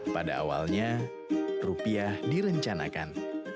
pada awalnya rupiah direncanakan